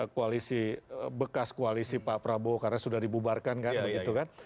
koalisi bekas koalisi pak prabowo karena sudah dibubarkan kan begitu kan